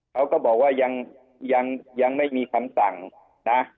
เขาก็บอกว่ายังไม่มีคำสั่งนะ